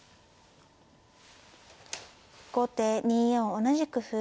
後手２四同じく歩。